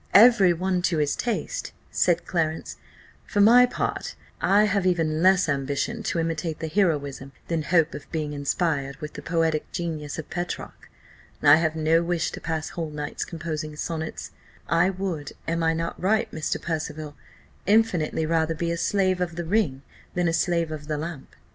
"Every one to his taste," said Clarence; "for my part I have even less ambition to imitate the heroism than hope of being inspired with the poetic genius of Petrarch. I have no wish to pass whole nights composing sonnets. I would (am I not right, Mr. Percival?) infinitely rather be a slave of the ring than a slave of the lamp."